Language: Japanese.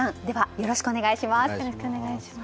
よろしくお願いします。